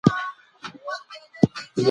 سهار ته ممکن په کابل کې واوره ووریږي.